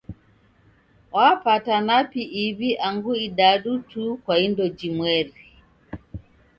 Wapata napi iw'i angu idadu tu kwa indo jimweri.